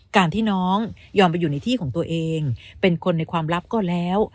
การที่น้องยอมไปอยู่ในที่ของตัวเองเป็นคนในความลับก็แล้ว